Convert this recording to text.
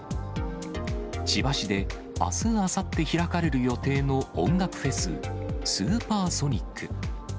千葉市であす、あさって開かれる予定の音楽フェス、スーパーソニック。